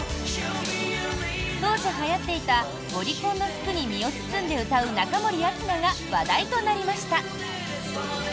当時はやっていたボディコンの服に身を包んで歌う中森明菜が話題となりました。